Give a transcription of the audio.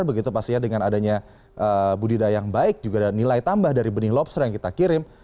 begitu pastinya dengan adanya budidaya yang baik juga ada nilai tambah dari benih lobster yang kita kirim